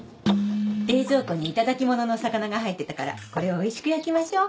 冷蔵庫に頂き物のお魚が入ってたからこれをおいしく焼きましょう。